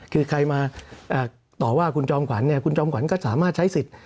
คือใครมาต่อว่าคุณจอมขวัญคุณจอมขวัญก็สามารถใช้สิทธิ์